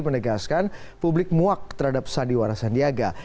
menegaskan publik muak terhadap sandiwara sandiaga